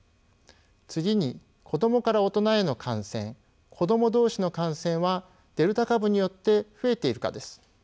次に子どもから大人への感染子ども同士の感染はデルタ株によって増えているかです。